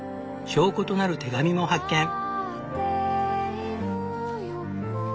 証拠となる手紙も発見！